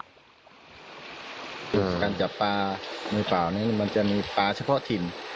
การจับปลาในป่านี้มันจะมีปลาเฉพาะถิ่น